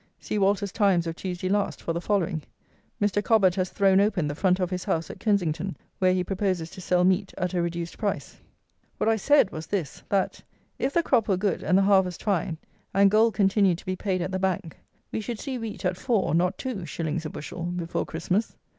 [See Walter's "Times" of Tuesday last, for the following: "Mr. Cobbett has thrown open the front of his house at Kensington, where he proposes to sell meat at a reduced price."] What I said was this: that, if the crop were good and the harvest fine, and gold continued to be paid at the Bank, we should see wheat at four, not two, shillings a bushel before Christmas.